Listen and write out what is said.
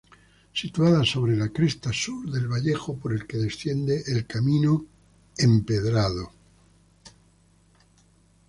Situada sobre la cresta sur del vallejo por el que desciende el camino empedrado.